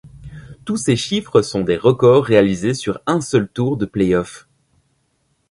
Tous ces chiffres sont des records réalisés sur un seul tour de playoff.